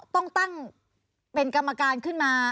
ต้องตั้งเป็นกรรมการขึ้นมา